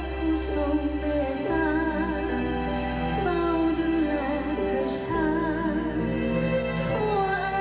หมดหวังพระองค์อยู่เป็นหลวงน้ำหัวใจ